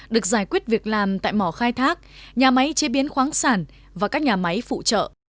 được giải quyết việc làm tại mỏ khai thác nhà máy chế biến khoáng sản và các nhà máy phụ trợ